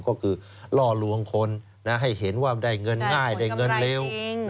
ก็คือล่อลวงคนให้เห็นว่าได้เงินง่ายได้เงินเร็ว